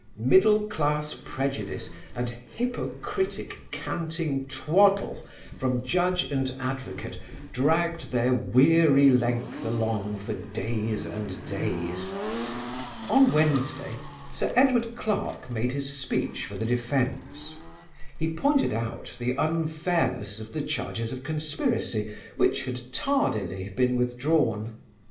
Middle class prejudice and hypocritic canting twaddle from Judge and advocate dragged their weary length along for days and days. On Wednesday Sir Edward Clarke made his speech for the defence. He pointed out the unfairness of the charges of conspiracy which had tardily been withdrawn.